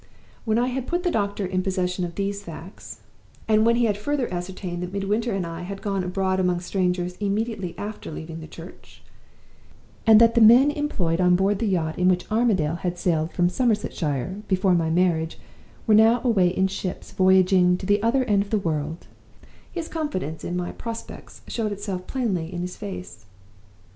When I had put the doctor in possession of these facts and when he had further ascertained that Midwinter and I had gone abroad among strangers immediately after leaving the church; and that the men employed on board the yacht in which Armadale had sailed from Somersetshire (before my marriage) were now away in ships voyaging to the other end of the world his confidence in my prospects showed itself plainly in his face.